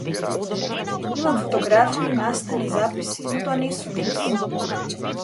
Имам фотографии, настани, записи, но тоа не сум јас.